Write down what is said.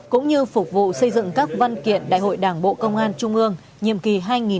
cũng như phục vụ xây dựng các văn kiện đại hội đảng bộ công an trung ương nhiệm kỳ hai nghìn hai mươi hai nghìn hai mươi năm